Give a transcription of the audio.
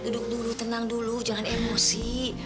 duduk dulu tenang dulu jangan emosi